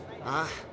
ああ。